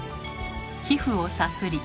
皮膚をさすり。